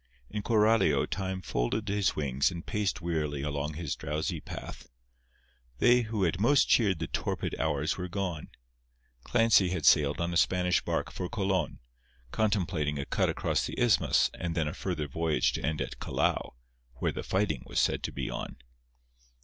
In Coralio Time folded his wings and paced wearily along his drowsy path. They who had most cheered the torpid hours were gone. Clancy had sailed on a Spanish barque for Colon, contemplating a cut across the isthmus and then a further voyage to end at Calao, where the fighting was said to be on.